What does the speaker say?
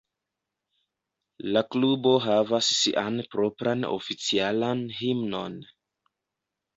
La klubo havas sian propran oficialan himnon.